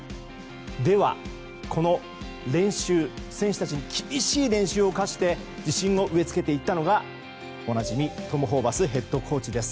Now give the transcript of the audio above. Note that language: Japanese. では、この練習選手たちに厳しい練習を課して自信を植え付けていったのがおなじみトム・ホーバスヘッドコーチです。